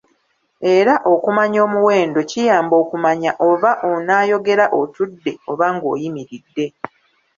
Era okumanya omuwendo kiyamba okumanya oba onaayogera otudde oba ng'oyimiride.